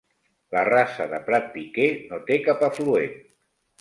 La Rasa de Prat Piquer no té cap afluent.